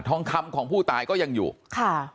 ทองคำของผู้ตายก็ยังอยู่ค่ะ